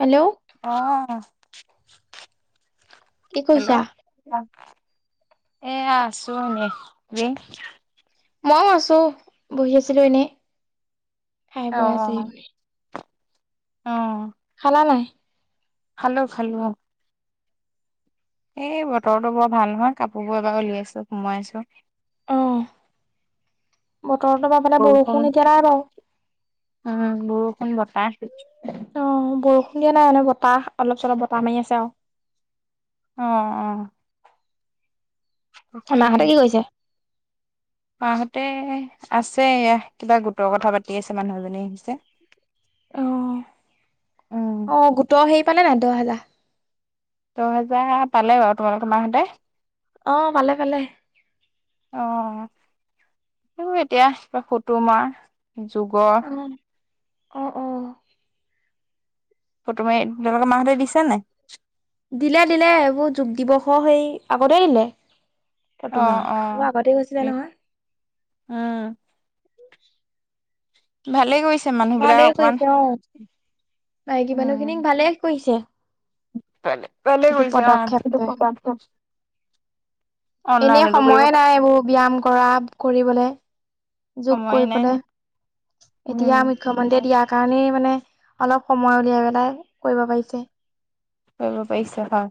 Hello কি hello কৰিছা? হয়। এয়া আছো এনেই, মইও আছো বহি আছিলো এনেই খাই অ বৈ আজৰি হৈ। অ [unintelligible] নাই, খালো খালো, এই বতৰটো বৰ ভাল নহয় কাপোৰ বোৰ এবাৰ উলিয়াইছো সোমোৱাই আছো। অ বতৰতো পাই পেলাই বৰষুণ এতিয়া নাই বাৰু, উম বৰষুণ বতাহ। অ' বৰষুণ দিয়া নাই মানে বতাহ অলপ চলপ বতাহ মাৰি আছে আৰু আহ আহ, মাহঁতে কি কৈছে। মাহতে আছে ইয়া কিবা গোটৰ কথা পাতি আছে মানুহজনী আছে। অ উম অ গোটৰ হেইৰি পালে নাই দহ হেজাৰ। দহ হেজাৰ পালে বাৰু তোমালোকৰ মাহতে। অ ভালে ভালে। অ এতিয়া ফুতোমাৰ, যুগৰ অহ অহ ফটো মাৰি তহঁতৰ মাহঁতে দিছে নাই? দিলে দিলে এইবোৰ যোগ দিৱসো সেই আগতে দিলে। অ অ ফটোমৰা আগতে গৈছিলে উম নহয়। উম ভালে কৰিছে মানুহ বিলাক ভালেই অকমান কৰিছে অ' মাইকী উম মানুহ খিনিক ভালে কৰিছে। ভালে এইটো কৰিছে পদক্ষেপটো। অহ এনেই সময়ে পাৰি নাই এইবোৰ ব্যায়াম কৰা কৰিবলে। যোগ সময়ে নাই কৰিবলৈ উম এতিয়া মুখ্যমন্ত্ৰীয়ে হয় দিয়াৰ কাৰণেই মানে অলপ সময় উলিয়াই পেলাই কৰিব পাৰিছে। অল পইচা হা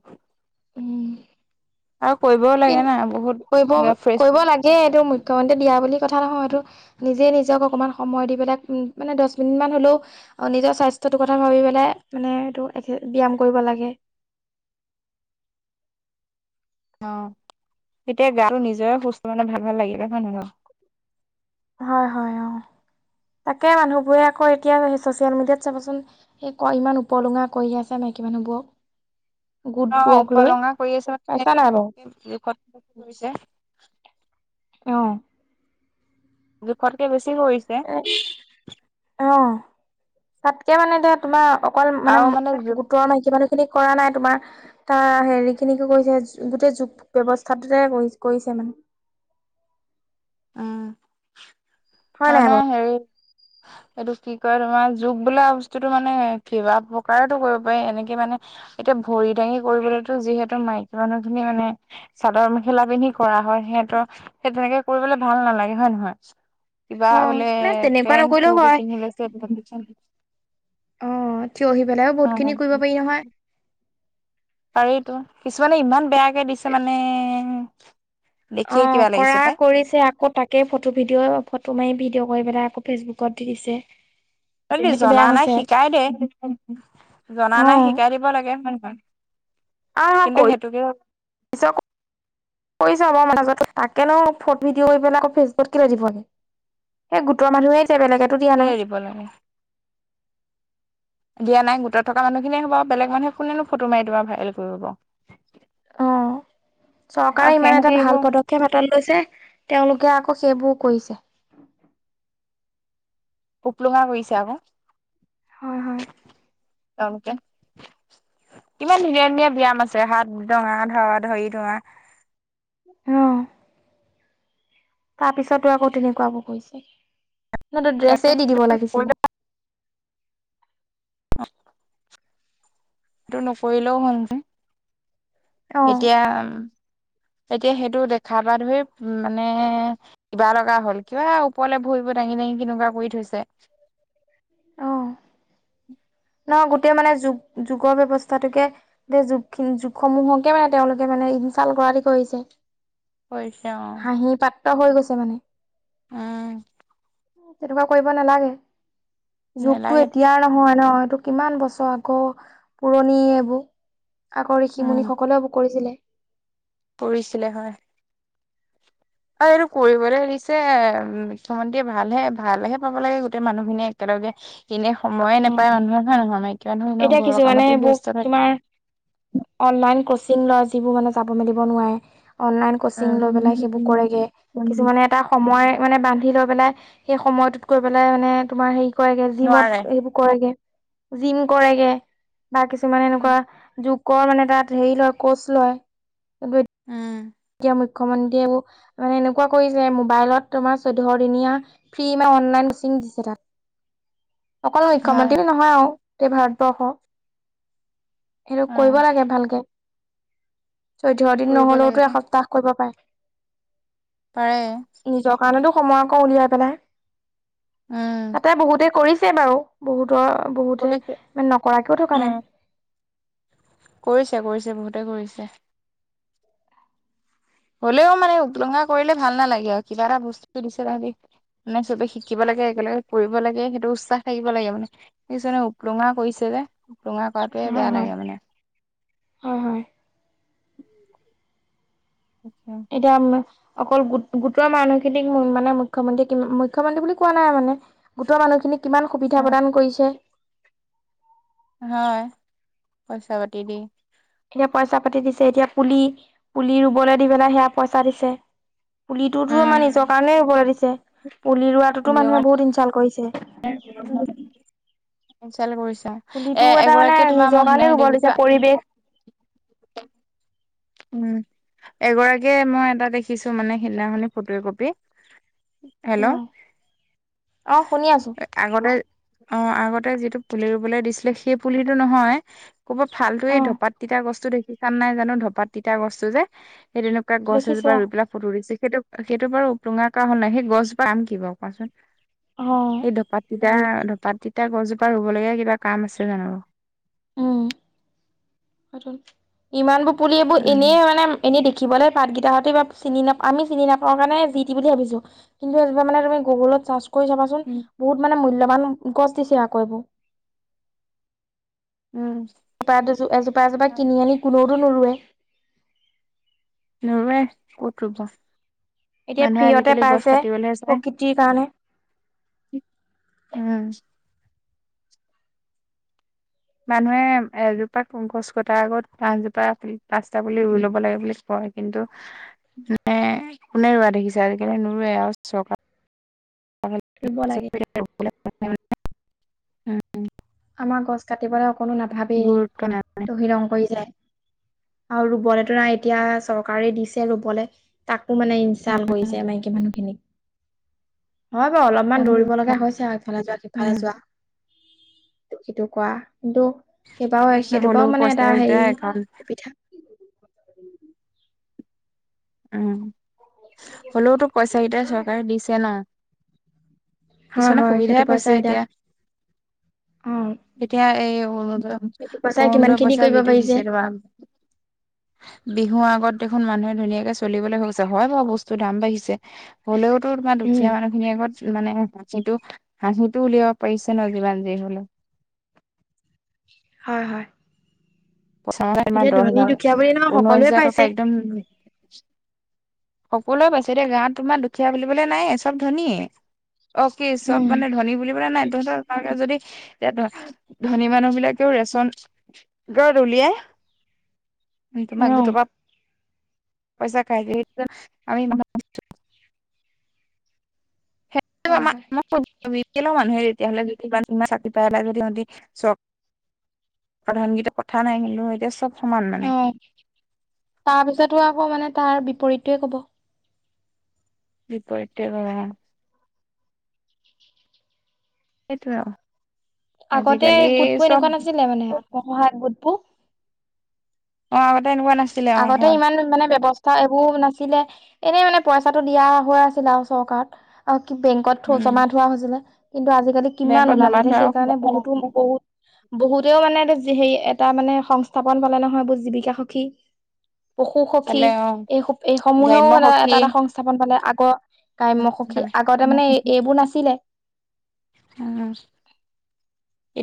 কি লাগে না বহুত কৰিব ফ্ৰেছ কৰিব লাগে এইটো মুখ্যমন্ত্ৰী দিয়া বুলি কথা নহয়তো নিজে নিজক অকণমান সময় দি পেলাই মানে দহ মিনিট মান হ'লেও নিজৰ স্বাস্থ্য কথা ভাবি পেলাই মানে এইটো ব্যয়াম কৰিব লাগে। [unintelligible] অ এতিয়া গাটো নিজৰে সুস্থ মানে ভাল ভাল লাগিবা নহয় নহয় ন। হয় হয় অ। তাকে মানুহবোৰে আকৌ এতিয়া চচিয়েল মিডিয়াত চাবাচোন ইমান উপলুঙা কৰি আছে। মাইকি মানুহ বোৰক। অ উপলঙা কৰি আছে নাই বাৰু? মানে জোখত গৈছে। অ যোখত কে বেছি। কৰিছে এ অ তাতকে মানে এতিয়া তোমাৰ। অকল মানে গোটৰ মাইকি মানুহ খিনি কৰা নাই তোমাৰ তাৰ হেৰি খিনিকো কৰিছে গোটেই যোগ ব্যস্থাতে কৰিছে [unintelligible] উম হয় নাই মানে বাৰু? হেৰি। [inaudible] এইটো কি কয় তোমাৰ যুগ বোলা বস্তুতটো মানে কিবা প্ৰকাৰেতো কৰিব পাৰি এনেকে মানে এতিয়া ভৰি দাঙি কৰিবলেতো যিহেতু মাইকী মানুহ খিনি মানে চাদৰ মেখেলা পিন্ধি কৰা হয় সেতে, সেই তেনেকে কৰিবলে ভাল নালাগে হয় নহয়। কিবা অ', বোলে নাই তেনেকুৱা পেন নকৰিলেও কুৰ্তি হয় পিন্ধি লৈছে [unintelligible] অ, থিয় হৈ পেলাইও বহুত খিনি অ কৰিব পাৰি নহয়। পাৰিতো কিছুমানে ইমান বেয়াকে দিছে মানে অ দেখিয়ে কিবা লাগিছে কৰা পাই কৰিছে আকৌ তাকে ফটো ভিডিঅ' ফটো মাৰি ভি ভিডিঅ কৰি পেলাই আকৌ ফেচবুকত দি দিছে। [unintelligible] সেইটো জনা বেয়া নাই হৈছে শিকাই দে জনা নাই অ', শিকাই দিব লাগে হয় নহয়। অ, কিন্তু কৰি সেইটোকে [unintelligible] কৰি চাব [unintelligible] তাকে ন, ফ্ৰদ ভিডিঅ' কৰি পেলাই আকৌ ফেচবুত কেলে দিব আহি এ গোটৰ মানুহেই বেলেগেতো দিয়া এৰি নাই দিব লাগে দিয়া নাই গোটত থকা মানুহখিনিয়ে হ'ব বেলেগ মানুহ কোনেনো ফটো মাৰি তোমাৰ ভাইৰেল কৰিব? অ', চৰকাৰে আৰু ইমান এটা সিহঁতে ভাল এইবোৰ পদক্ষেপ হাতত লৈছে তেওঁলোকে আকৌ সেইবোৰ কৈছে উ প্লঙা কৰিছে আকৌ হয়-হয় [unintelligible] কিমান ধুনীয়া -ধুনীয়া ব্যয়াম আছে হাত দঙা ধৰা-ধৰি ধৰা অহ, তাৰপিছতো আকৌ তেনেকুৱা আকৌ কৈছে। নতে ড্ৰেছে দি দিব লাগিছিলে। এইটো নকৰিলেও [unintelligible] অ এতিয়া উম, এতিয়া সেইটো দেখা পা ধৰি উম মানে কিবা লগা হ'ল কিবা ওপৰলে ভৰিব দাঙি-দাঙি কেনেকুৱা কৰি থৈছে। এনেও গোটেই মানে যুগ-যুগৰ ব্যৱস্থাতোকে তে যুগখিনি -যুগসমূহকে মানে তেওঁলোকে মানে [unintelligible] দি কৰিছে কৈছে অ, ত' হৈ গৈছে মানে। উম, তেনেকুৱা কৰিব নালাগে। যুগতটো নেলাগে এতিয়াৰ নহয় এইটো কিমান বছৰ আকৌ পুৰণি এইবোৰ। আগৰ ঋষি উম মুনি সকলোৱও বুক কৰিছিলে। কৰিছিলে হয়। আৰু এইটো কৰিবলৈ দিছে মুখ্যমন্ত্ৰীয়ে ভালহে ভালহে পাব লাগে গোটেই মানুহ খিনিয়ে একেলগ এনে সময়ে নাপায় অ মানুহে হয় নহয় মাইকি মানুহে এতিয়া ঘৰৰ কিছুমানে কামতে এইবোৰ ব্যয়স্ত থাকে। তোমাৰ অনলাইন কচিং লয় যিবোৰ মানে যাব মেলিব নোৱাৰে। অনলাইন কচিং লৈ পেলাই সেইবোৰ উম, কৰেগে কিছুমানে এটা সময় মানে বান ্ধি লৈ পেলাই সেই সময়টোত গৈ পেলাই মানে তোমাৰ হেৰি কৰেগৈ জিমত [inaudible] নোৱাৰে [inaudible] কৰে মানে উম তাত হেৰি লয় কচ লয় এতিয়া মুখ্যমন্ত্ৰীয়ে মানে এনেকুৱা কৰিলে মোবাইলত তোমাৰ চৈধ্য দিনীয়া ফ্ৰী ম অনলাইন মিচিং দিছে তাত। অকল হয় মুখ্যমন্ত্ৰীও নহয় আৰু গোটেই ভাৰতবৰ্ষৰ সেইটো অ কৰিব লাগে ভালকে চৈধ্য দিন কৰিব নহলেওতো লাগেতো এসপ্তাহ কৰিব পাৰে পাৰে নিজৰ কাৰণেতো সময় আকৌ উলিয়াই পেলাই উম তাতে বহুতে কৰিছে বাৰু বহুতৰ বহুতে কৰিছে মানে নকৰাকেও থকা নাই। উম কৰিছে কৰিছে বহুতে কৰিছে হলেও মানে উটলঙা কৰিলে ভাল নালাগে আৰু কিবা এটা বস্তু দিছে তাহাঁতি মানে চবে শিকিব লাগে একেলগে কৰিব লাগে সেইটো উৎসাহ থাকিব লাগে মানে সেইে উপ [inaudible] কৰিছে যে ৰোঙা কৰাটোৱে হয় বেয়া হয় লাগে মানে। হয় হয় এতিয়া আ [inaudible] অকলোট গোটৰ মানুহখিনিক মানে মুখ্যমন্ত্ৰীয়ে কি মুখ্যমন্ত্ৰী বুলি কোৱা নাই মানে গোটৰ মানুহখিনিক কিমান সুবিধা প্ৰদান কৰিছে হয় পইচা পাতি দি এয়া পইচা পাতি দিছে এতিয়া পুলি পুলি ৰুবলৈ দি পেলাই সেয়া পইচা দিছে পুলিটোতো আমাৰ নিজৰ কাৰণে হ'বলৈ দিছে পুলি ৰোৱাটো মানুে বহুত ইঞ্চাল কৰিছে [inaudible] ল কৰিছে পুলিটো এ এটা মানে এগৰাকীয়ে তোমাৰ নিজৰ মই কাৰণে সহি ৰুব দিছে দেখিছো [inaudible] পৰিৱেশ উম, এগৰাকীয়ে মই এটা দেখিছো মানে সিদিনাখনি ফটো কপি। হেল্ল' অ অ শুনি আছো আগতে অ আগতে যিটো পুলি ৰুবলৈ দিছিলে সেই পুলিটো নহয় ক'ব ফালো অ এই ধপাত তিতা গস্ত [inaudible] দেখি চাম নাই জানো ধপাত তিতা গছটো যে সেই তেনেকুৱা গছ দেখিছো এজোপা ৰুই পেলাই ফটো দিছো সেইটো সেইটো বাৰু টুঙা ক হ নাই সেই গছ বা আম কি বাৰু কোৱাচোন অ অ সেই ধোপাত তিতাৰ [inaudible] ধপাত তিতা গছজোপা ৰুবলগীয়া কিবা কাম আছে জানো ইমান বোৰ পুলি এইবোৰ উম এনেই মানে এনেই শিকিবলৈ পাতকেইটাহতে বা চিনি নাপ আমি চিনি নাপাওঁ কাৰণে যি ি বুলি ভাবিছো কিন্তু মানে তুমি গুগুলত চাৰ্চছ [inaudible] কৰি চাবাচোন উম বহুত মানে মূল্যা বান গছ দিছে আকৌ এইবোৰ। উম এজোপা দু এজোপা এজোপা হয়। কিনি আনি কোনেওতো নুৰোৱে। নৰুোৱে ক'ত ৰুব এতিয়া মানুহে ফ্ৰীয়তে আজিকালি গছ পাইছে কাটিবলৈহে চায়। প্ৰকৃতিৰ কাৰণে উম মানুহে এজোপা গছ কটাৰ আগত পাঁছজোপা পচ্তা পুলি ৰুই লব লাগে বুলি কয়। কিন্তু মানে কোনে ৰোৱা দেখিছে আজিকালি নৰুোৱে আৰু চকা লাগিবলে উ [inaudible] আমাৰ গছ কাটিবলৈ অকনো নাভাবেই গুৰুত্ব নাই। তহিলং কৰিলে। আৰু ৰুবলেতো নাই এতিয়া চৰকাৰে দিছে ৰুবলে তাক মানে ইন্সাল কৰিছে মাইকী মানুহখিনিক। হয় বাৰু অলপমান দৌৰিব লগা হৈছে আৰু ইফালে যোৱা উম, সিফালে যোৱা। সটো কৰা কিন্তু সেইবাৰও সেইটোৰ হ'লেও পৰাও মানে এটা পইচাকেইটা হেৰি একাউণ্ট সুবিধা [inaudible] উম হলেওতো পইচা কেইটাই চৰকাৰে দিছে ন! হয় কিছুমানে হয় সেইটো সুবিধাই পৰা পাইছে যাই দিয়া এতিয়া, অ [inaudible] এতিয়া এই অৰুণোদয়, সেইটো পইচাই কিমান অৰুণোদয় খিনি পইচা কৰিব যিটো পাৰিছে দিছে তোমাৰ, বিহুৰ আগত দেখোন মানুহে ধুনীয়াকে চলিবলৈ হৈ গৈছে হয় বাৰু বস্তু দাম বাঢ়িছে, হ'লেওতো তোমাৰ উম দুখীয়া মানুহখিনিৰ আগত মানে হাঁহিটো-হাঁহিটো উলিয়াব পাৰিছে ন যিমান যি হ'লেও হয়-হয় পইচা আমাৰ দহ হাজাৰ বুলি নহয় ঊনৈশ সকলোৱে হাজাৰ পাইছে টকা একদম সকলোৱে পাইছে দেই গাঁৱত তোমাৰ দুখীয়া বুলিবলৈ নায়ে চব ধনীয়ে অ কি চব উম মানে ধনী বুলিবলে নাই তহঁতৰ ফালে যদি এতিয়া ধনী মানুহ বিলাকেও ৰেচন কাৰ্ড উলিয়াই অ তোমাক দু পৰা পইচা খাইজে হ [unintelligible] আমি হয়-হয় কেলৈ মানুহে তেতিয়াহ'লে যদি ক চাকৰি পাই যদি সিহঁতি চক প্ৰধান কিতা কথা নাই কিন্তু এতিয়া চব সমান মানে অ তাৰপিছতো আকৌ মানে তাৰ বিপৰীতটোৱে ক'ব বিপৰীতে - - সেইটোৱে আৰু আগতে আজিকালি গোটবোৰ চব এনেকুৱা নাছিলে মানে আত্মসহায়ক গোটবোৰ অ এনেকুৱা নাছিলে অ আগতে হয় ইমান মানে ব্যৱস্থা ত এইবোৰ নাছিলে এনেই মানে পইচাটো দিয়া হৈ আছিলে আৰু চৰকাৰত - - বেংকত থ উম জমা ধোৱা হৈছিলে কিন্তু আজিকালি কিমান বেংকত জমা ওলালে এতিয়া থোৱা সেইকাৰণে বহুতো বহুত বহুতেওঁ মানে হে এটা মানে সংস্থাপন পালে নহয় বহুত জীৱিকা সখী পশু সখী হ'লে অ এই এইসমূহেও গ্ৰাম্য এ সখী এটা-এটা সংস্থাপন পালে আগৰ কাম্যসুখী আগতে উম, মানে এইবোৰ নাছিলে,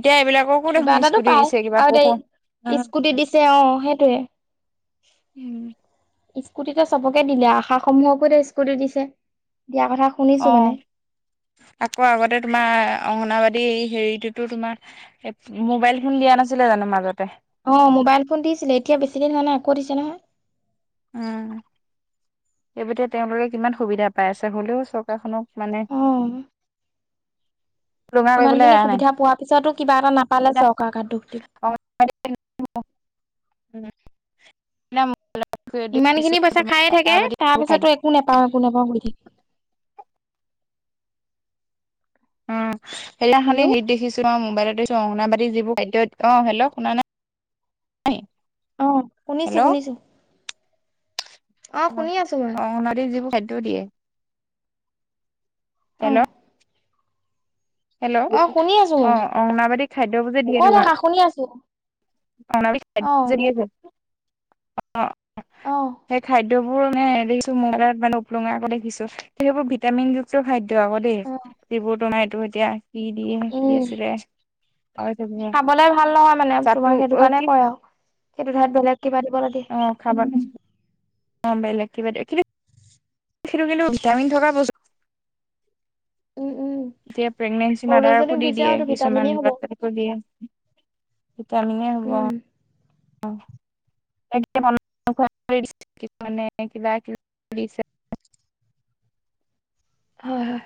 এতিয়া এইবিলাককো কিবা দেখোন এটাতো স্কুটি পায় দিছে কিবা আৰু দে পশু স্কুটি দিছে অ সেইটোয়ে উম স্কুটিটো চবকে দিলে আশাসমূহকো এতিয়া স্কুটি দিছে, দিয়া কথা শুনিছো অ মানে আকৌ আগতে তোমাৰ অংগনাবাদী হেৰিটোতো তোমাৰ মোবাইল ফোন দিয়া নাছিলে জানো মাজতে অ মোবাইল ফোন দিছিলে এতিয়া বেছি দিন হে আকৌ দিছে নহয় উম সেবেতে তেওঁলোকে কিমান সুবিধা পাই আছে হ'লেও চৰকাৰখনক মানে লুঙা ইমান কৰিবলৈ খিনি এৰা নাই সুবিধা পোৱা পিছতো কিবা এটা নাপালে চৰকাৰৰ গাত দুখ দিব [unintelligible] উম ন ইমান খিনি পইচা খায়ে থাকে তাৰ পিছতো একো নেপাও একো নেপাও কৈ থাকে উম সেইদিনাখনেই হেল্ল' হেৰিত দেখিছো ন মোবাইলত দেখিছোঁ অংগনাবাদী যিবোৰ খাদ্য অ হেল্লো শুনা নাই অ হেল্ল' শুনিছো-শুনিছো অংগনবাড়ীত যিবোৰ খাদ্য দিয়ে অ', হেল্ল' হেল্ল' অ', শুনি আছো অ মই অংনবাদী খাদ্যবোৰ যে দিয়ে কৈ তোমাক, থাকা শুনি আছো অ', [unintelligible] অ অ', সেই খাদ খাদ্যবোৰ মে দেখিছো মোবাইলত মানে উপলুঙা কৰে দেখিছো মানে সেইবোৰ ভিটামিন যুক্ত খাদ্য দ্য আকৌ দেই অ', এইবোৰতো নাইতো এতিয়া কি দিয়ে কি উম, আছিলে পাহৰি থাকিলো খাবলে ভাল নহয় মানে চাটু তোমাক সেইটো অ কাৰণে কি কয় আও সেইটো ঠাইত বেলেগ কিবা দিব লাগে অ খাব অ বেলেগ কিবা [unintelligible] সেইটো কিন্তু ভিটামিন থকা বস্তু উম, উম, এতিয়া প্ৰেগনেঞ্চি সৰু ল'ৰা মাডাৰকো ছোৱালীক দি দিছে আৰু দিয়ে এইটো ভিটামিনেই কিছুমান হ'ব লৰা-ছোৱালীকো দিয়ে, ভিটামিনে হ'ব, উম, অ [unintelligible] কিছুমানে কবা কিবি দিছে হয় হয়,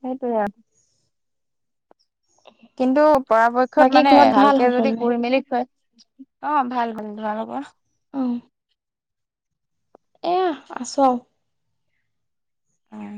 সেইটো, কিন্তু পৰাপক্ষত বাকী মানে ঘৰত ভাল ভালকে যদি সকলোৰে কৈ মেলি খুৱায়, অ ভাল বন্ [unintelligible] তোমালোকৰ? অহ। এয়াহ আছো আও। অ।